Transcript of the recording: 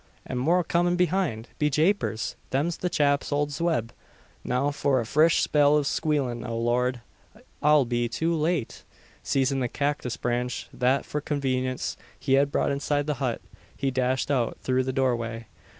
an more comin' behind! Be japers! them's the chaps owld Zeb Now for a frish spell av squeelin! O Lard! I'll be too late!" Seizing the cactus branch that for convenience he had brought inside the hut he dashed out through the doorway.